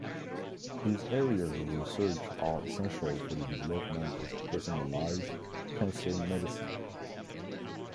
These areas of research are essential for the development of personalised cancer medicine.